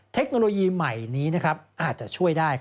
เทคโนโลยีใหม่นี้อาจจะช่วยได้